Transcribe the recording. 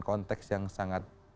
konteks yang sangat